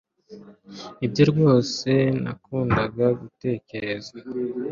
Nibyo rwose nakundaga gutekereza